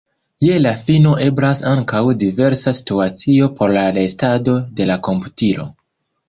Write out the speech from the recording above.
Je la fino eblas ankaŭ diversa situacio por la restado de la komputilo.